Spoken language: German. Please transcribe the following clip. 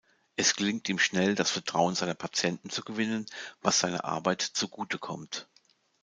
Es gelingt ihm schnell, das Vertrauen seiner Patienten zu gewinnen, was seiner Arbeit zugutekommt.